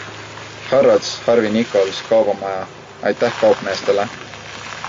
Harrods, Harvey Nichols, Kaubamaja ...- aitäh kaupmeestele!